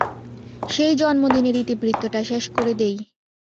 সেই জন্মদিনের ইতিবৃত্তটা শেষ করে দিই।